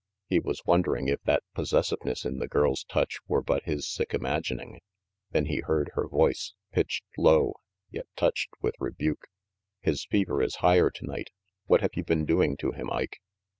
He was wondering if that possessive ness in the girl's touch were but his sick imagining; then he heard her voice, pitched low, yet touched with rebuke. "His fever is higher tonight. What have you been doing to him, Ike?"